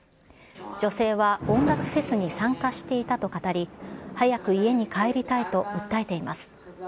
女性は音楽フェスに参加していたと語り、早く家に帰りたいと訴えています。